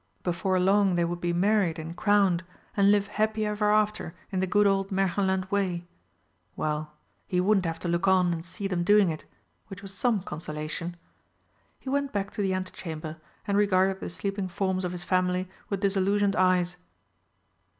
Before long they would be married and crowned, and live happy ever after in the good old Märchenland way. Well, he wouldn't have to look on and see them doing it, which was some consolation. He went back to the antechamber and regarded the sleeping forms of his family with disillusioned eyes.